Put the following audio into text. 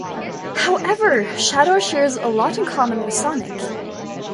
However, Shadow shares a lot in common with Sonic.